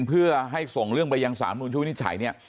เพื่อให้ส่งเรื่องไปยังสามนุนช่วยวินิจฉัยเนี่ย